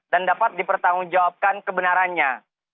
dan dapat dipertanggungjawabkan kebenarannya